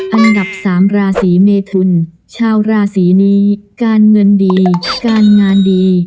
อันดับสามราศีเมทุนชาวราศีนี้การเงินดีการงานดี